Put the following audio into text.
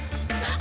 あ。